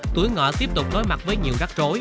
tuổi ngọ tiếp tục đối mặt với nhiều rắc rối